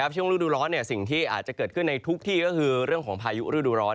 ช่วงฤดูร้อนสิ่งที่อาจจะเกิดขึ้นในทุกที่ก็คือเรื่องของพายุฤดูร้อน